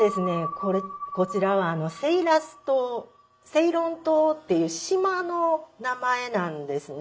これこちらはセイラス島セイロン島っていう島の名前なんですね。